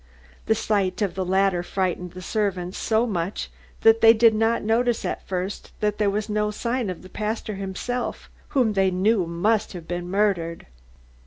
The sight of the latter frightened the servants so much that they did not notice at first that there was no sign of the pastor himself, whom they now knew must have been murdered.